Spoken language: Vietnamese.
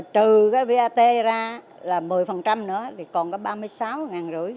trừ cái vat ra là một mươi nữa thì còn có ba mươi sáu năm trăm linh